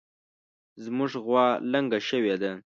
زمونږ غوا لنګه شوې ده